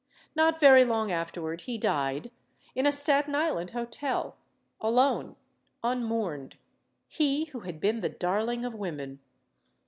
Not very long afterward he died, in a Staten Island hotel alone, unmourned, he who had been the darling of women.